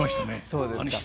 そうですか。